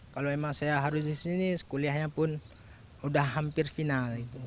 kalau memang saya harus disini kuliahnya pun udah hampir final